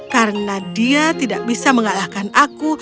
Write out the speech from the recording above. karena dia tidak bisa mengalahkan aku